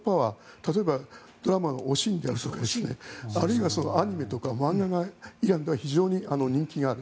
例えば、ドラマの「おしん」であるとかあるいはアニメとか漫画がイランでは非常に人気がある。